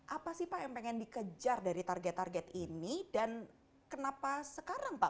apa sih pak yang pengen dikejar dari target target ini dan kenapa sekarang pak